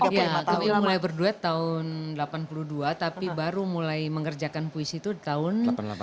iya kita mulai berduet tahun delapan puluh dua tapi baru mulai mengerjakan puisi itu tahun delapan puluh delapan